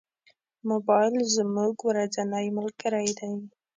موبایل زموږ ورځنی ملګری دی.